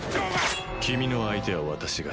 君の相手は私がしよう。